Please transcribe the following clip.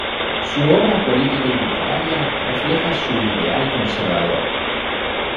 Su obra política y literaria refleja su ideal conservador.